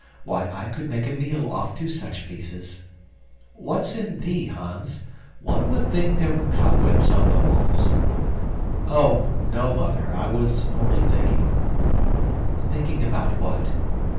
Why, I could make a meal off two such pieces. What's in thee, Hans? One would think there were cobwebs on the walls." "Oh, no, Mother, I was only thinking " "Thinking about what?